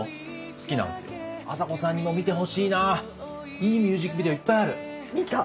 「いいミュージックビデオいっぱいある」